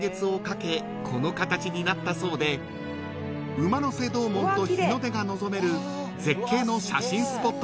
［馬の背洞門と日の出が望める絶景の写真スポットなんです］